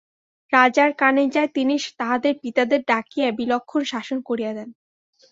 রাজার কানে যায়, তিনি তাহাদের পিতাদের ডাকিয়া বিলক্ষণ শাসন করিয়া দেন।